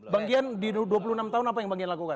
bang gian di dua puluh enam tahun apa yang bang gian lakukan